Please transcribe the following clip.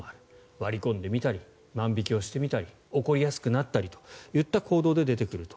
割り込んでみたり万引きをしてみたり怒りやすくなったりといった行動で出てくると。